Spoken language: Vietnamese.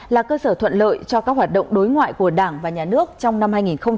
là cơ sở thuận lợi cho các hoạt động đối ngoại của đảng và nhà nước trong năm hai nghìn hai mươi ba